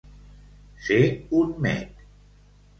Ser un mec.